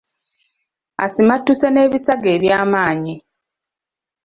Asimattuse n’ebisago ebyamaanyi.